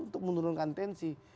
untuk menurunkan tensi